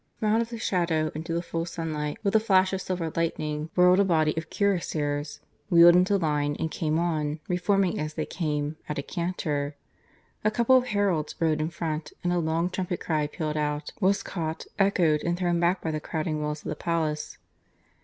From out of the shadow into the full sunlight with a flash of silver lightning whirled a body of cuirassiers, wheeled into line, and came on, reforming as they came, at a canter. A couple of heralds rode in front; and a long trumpet cry pealed out, was caught, echoed, and thrown back by the crowding walls of the palace.